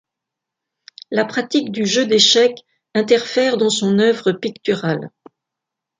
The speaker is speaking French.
La pratique du jeu d'échecs interfère dans son œuvre picturale.